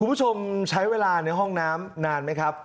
คุณผู้ชมใช้เวลาในห้องน้ำนานไหมครับ